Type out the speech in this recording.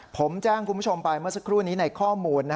ผมแจ้งคุณผู้ชมไปเมื่อสักครู่นี้ในข้อมูล